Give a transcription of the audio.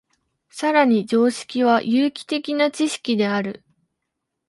更に常識は有機的な知識である。